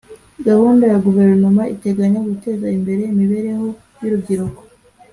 gahunda ya guverinoma iteganya guteza imbere imibereho y urubyiruko